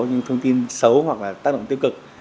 những thông tin xấu hoặc là tác động tiêu cực